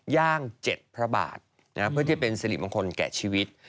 ย่างเจ็ดพระบาทเพื่อที่จะเป็นศิลป์ของคนแก่ชีวิต